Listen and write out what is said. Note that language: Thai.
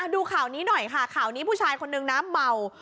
ดูข่าวนี้หน่อยค่ะข่าวนี้ผู้ชายคนนึงน้ำเมา